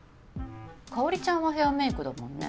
香ちゃんはヘアメイクだもんね。